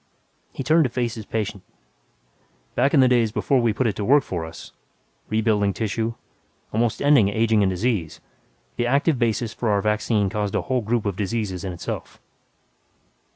He turned to face his patient, "Back in the days before we put it to work for us rebuilding tissue, almost ending aging and disease the active basis for our vaccine caused a whole group of diseases, in itself."